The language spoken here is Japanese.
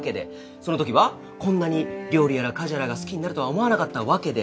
そのときはこんなに料理やら家事やらが好きになるとは思わなかったわけで。